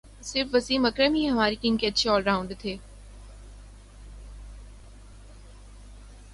صرف وسیم اکرم ہی ہماری ٹیم کے اچھے آل راؤنڈر تھے